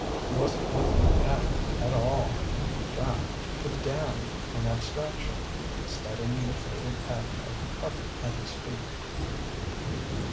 He wasn't looking at her at all, in fact, but down, in abstraction, studying the faded pattern of the carpet at his feet.